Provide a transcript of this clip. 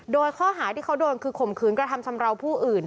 โดยข้อหาที่เขาโดนคือข่มขืนกระทำชำราวผู้อื่น